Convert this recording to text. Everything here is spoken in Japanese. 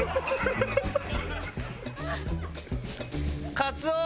カツオー！